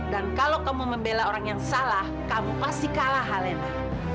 dan kalau kamu membela orang yang salah kamu pasti kalah alena